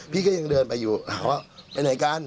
พี่ก็ยังเดินไปอยู่ถามว่าไปไหนกัน